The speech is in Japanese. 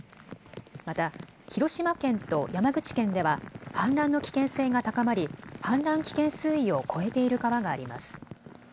また広島県と山口県では氾濫の危険性が高まり、氾濫危険水位を超えている川があります。